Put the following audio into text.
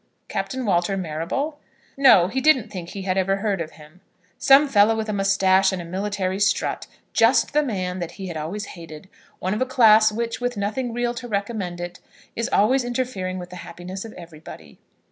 Captain Walter Marrable! No; he didn't think he had ever heard of him. Some fellow with a moustache and a military strut just the man that he had always hated; one of a class which, with nothing real to recommend it, is always interfering with the happiness of everybody.